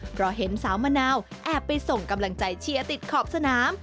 เพราะเห็นสาวมะนาวแอบไปส่งกำลังใจเชียร์ติดขอบสนาม